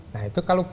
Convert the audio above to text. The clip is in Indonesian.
nah itu kalau